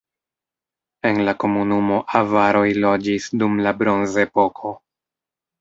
En la komunumo avaroj loĝis dum la bronzepoko.